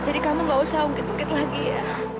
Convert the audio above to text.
jadi kamu gak usah unggit unggit lagi ya